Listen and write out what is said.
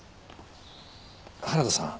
原田さん。